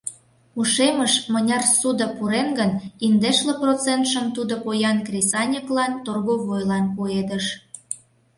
Ушемыш мыняр ссуда пурен гын, индешле процентшым тудо поян кресаньыклан, торговойлан пуэдыш.